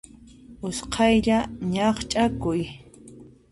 Usqhaylla ñaqch'akuy.